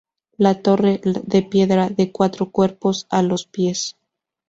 La torre, de piedra, de cuatro cuerpos, a los pies.